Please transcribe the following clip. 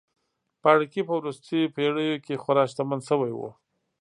پاړکي په وروستیو پېړیو کې خورا شتمن شوي وو.